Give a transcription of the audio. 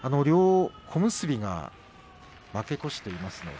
両小結が負け越しています。